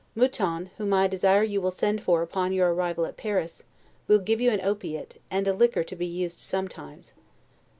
Mouton, whom I desire you will send for upon your arrival at Paris, will give you an opiate, and a liquor to be used sometimes.